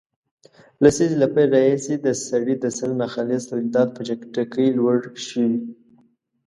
لسیزې له پیل راهیسې د سړي د سر ناخالص تولیدات په چټکۍ لوړ شوي